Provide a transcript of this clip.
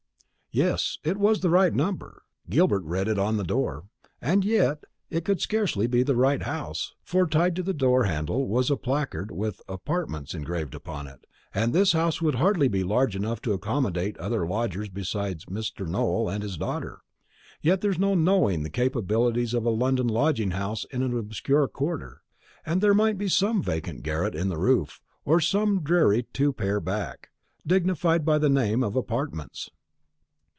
Yes, it was the right number. Gilbert read it on the door; and yet it could scarcely be the right house; for tied to the door handle was a placard with "Apartments" engraved upon it, and this house would hardly be large enough to accommodate other lodgers besides Mr. Nowell and his daughter. Yet there is no knowing the capabilities of a London lodging house in an obscure quarter, and there might be some vacant garret in the roof, or some dreary two pair back, dignified by the name of "apartments."